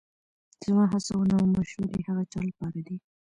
زما هڅونه او مشورې هغه چا لپاره دي